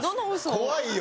怖いよ。